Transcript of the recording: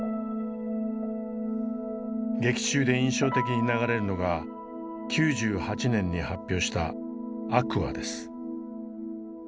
劇中で印象的に流れるのが９８年に発表した「ａｑｕａ」です。